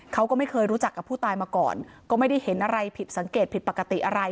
เขาก็ไม่เคยรู้จักกับผู้ตายมาก่อนก็ไม่ได้เห็นอะไรผิดสังเกตผิดปกติอะไร